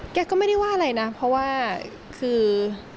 แกก็ไม่ได้ว่าอะไรนะเพราะว่าคือ